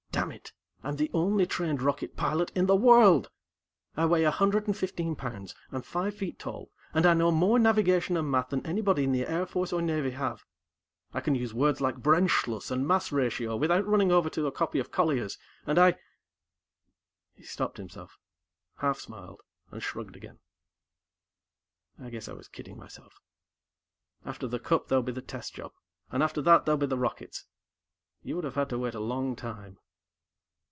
"Damn it, I'm the only trained rocket pilot in the world! I weigh a hundred and fifteen pounds, I'm five feet tall, and I know more navigation and math than anybody the Air Force or Navy have! I can use words like brennschluss and mass ratio without running over to a copy of Colliers, and I " He stopped himself, half smiled, and shrugged again. "I guess I was kidding myself. After the Cup, there'll be the test job, and after that, there'll be the rockets. You would have had to wait a long time."